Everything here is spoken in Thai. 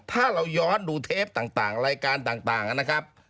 ถ้าเราย้อนดูเทปต่างรายการต่างนะครับ